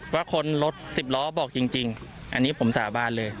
ว่าคนรถสิบล้อบอกจริงอันนี้ผมสาบานเลย